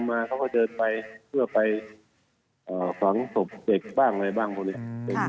มาเขาก็เดินไปเพื่อไปฝังศพเด็กบ้างอะไรบ้างพวกนี้